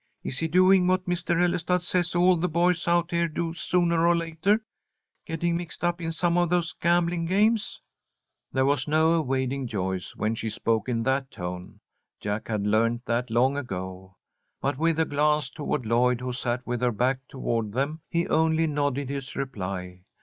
Is he doing what Mr. Ellestad says all the boys out here do sooner or later, getting mixed up in some of those gambling games?" There was no evading Joyce when she spoke in that tone. Jack had learned that long ago. But, with a glance toward Lloyd, who sat with her back toward them, he only nodded his reply.